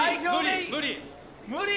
無理？